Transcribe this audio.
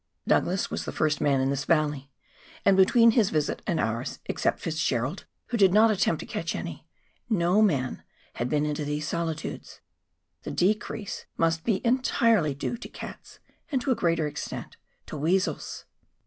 Douglas was the first man in this valley, and between his visit and ours (except Fitzgerald, who did not attempt to catch any) no man had been into these solitudes. The decrease must be entirely due to cats, and to a greater extent to weasels.